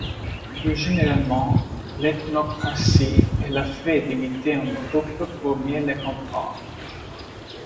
Plus généralement, l'ethnopraxie est le fait d'imiter un groupe pour mieux le comprendre.